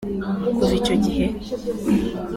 Kuva icyo gihe